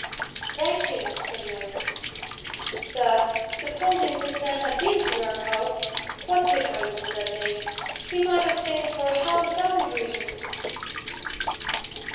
"Thank you," said Mary. "But supposing this man had been to our house what difference would that make? He might have been for half a dozen reasons."